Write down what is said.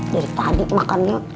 dari tadi makannya